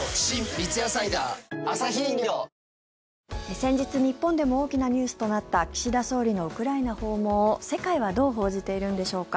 三ツ矢サイダー』先日日本でも大きなニュースとなった岸田総理のウクライナ訪問を世界はどう報じているんでしょうか。